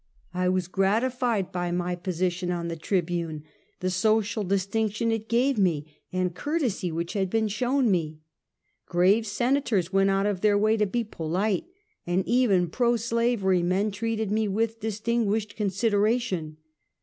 I was gratified by my position on the Tribune — the social distinction it gave me and courtesy which had been shown me. Grave Senators went out of their way to be polite, and even pro slavery men treated me with distinguished consideration.